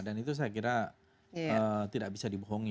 dan itu saya kira tidak bisa dibohongi